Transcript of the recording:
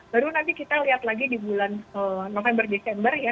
baru nanti kita lihat lagi di bulan november desember ya